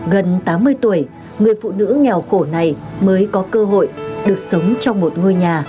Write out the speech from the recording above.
gần tám mươi tuổi người phụ nữ nghèo khổ này mới có cơ hội được sống trong một ngôi nhà